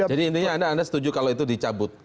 jadi intinya anda setuju kalau itu dicabut